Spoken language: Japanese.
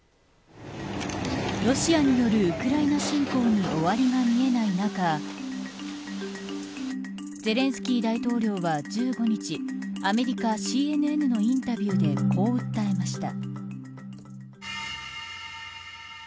ロシアによるウクライナ侵攻に終わりが見えない中ゼレンスキー大統領は１５日アメリカＣＮＮのインタビューでこう訴えました。